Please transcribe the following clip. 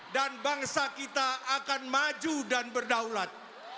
dan bangsa kita akan maju dan berdaulat